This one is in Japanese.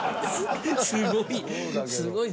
すごい。